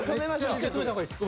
１回止めた方がいいです。